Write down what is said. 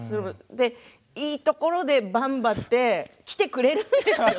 いいところでばんばは来てくれるんですよ。